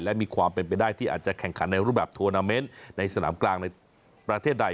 และมีความเป็นไปได้ที่อาจจะแข่งขันในรูปแบบทัวร์นาเมนต์ในสนามกลางในประเทศใด